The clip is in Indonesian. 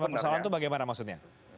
persoalan itu bagaimana maksudnya